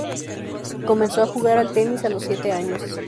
Comenzó a jugar al tenis a los siete años.